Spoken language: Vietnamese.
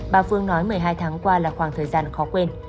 bà phương nói một mươi hai tháng qua là khoảng thời gian khó quên